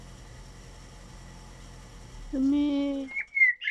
তুমি পেরেশান হয়ো না!